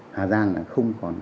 hà giang là không còn